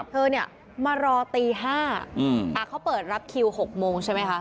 เธอเนี่ยมารอตี๕เขาเปิดรับคิว๖โมงใช่ไหมคะ